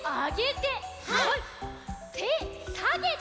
てさげて！